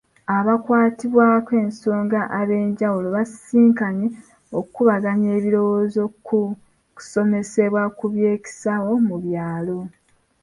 Abakwatibwako ensonga ab'enjawulo baasisinkanye okubaganya ebirowoozo ku kusomoozebwa ku by'ekisawo mu byalo.